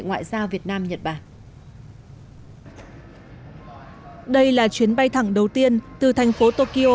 ngoại giao việt nam nhật bản đây là chuyến bay thẳng đầu tiên từ thành phố tokyo